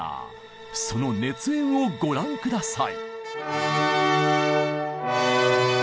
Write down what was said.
その熱演をご覧下さい。